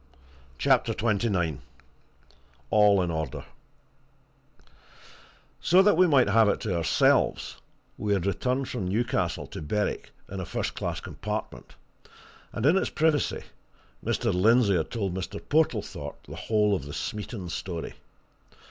CHAPTER XXIX ALL IN ORDER So that we might have it to ourselves, we had returned from Newcastle to Berwick in a first class compartment, and in its privacy Mr. Lindsey had told Mr. Portlethorpe the whole of the Smeaton story.